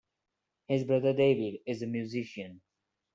His brother David is a musician.